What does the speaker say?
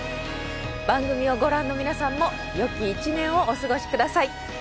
番組をご覧の皆さんもよき１年をお過ごしください。